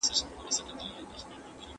سود د ټولني برکت له منځه وړي.